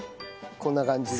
こんな感じで。